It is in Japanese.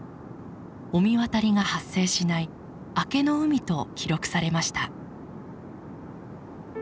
御神渡りが発生しない明けの海と記録されました。